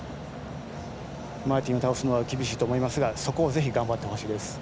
マーティンを倒すのは厳しいと思いますがそこをぜひ頑張ってほしいです。